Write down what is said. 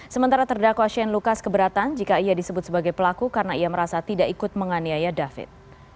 sementara terdakwa shane lucas keberatan jika ia disebut sebagai pelaku karena ia merasa tidak ikut menganiaya david